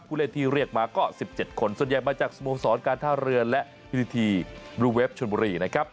ผู้เล่นทีเรียกมาก็๑๗คนส่วนใหญ่มาจากสมศรการท่าเรือนและวิทยาศาสตร์บลูเวฟชนบุรีนะครับ